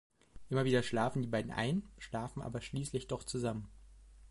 Immer wieder schlafen die beiden ein, schlafen aber schließlich doch zusammen.